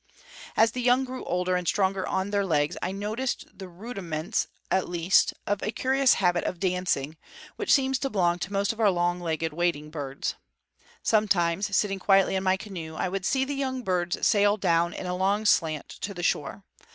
As the young grew older and stronger on their legs, I noticed the rudiments, at least, of a curious habit of dancing, which seems to belong to most of our long legged wading birds. Sometimes, sitting quietly in my canoe, I would see the young birds sail down in a long slant to the shore.